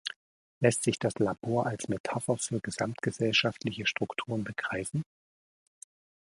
Lässt sich das Labor als Metapher für gesamtgesellschaftliche Strukturen begreifen?